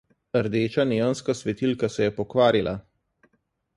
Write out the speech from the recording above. Rdeča neonska svetilka se je pokvarila.